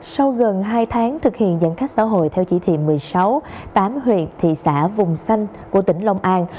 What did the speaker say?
sau gần hai tháng thực hiện giãn cách xã hội theo chỉ thị một mươi sáu tám huyện thị xã vùng xanh của tỉnh long an